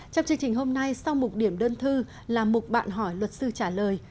trong chương trình hôm nay sau mục điểm đơn thư là mục bạn hỏi luật sư trả lời